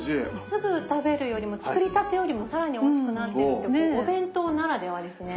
すぐ食べるよりも作りたてよりも更においしくなってるってお弁当ならではですね。